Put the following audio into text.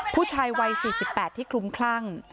ผู้ชายวัย๔๘ที่คลุมคลั่ง